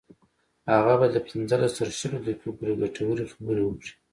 هغه باید له پنځلس تر شلو دقیقو پورې ګټورې خبرې وکړي